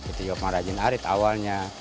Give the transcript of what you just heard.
itu yang merajin arit awalnya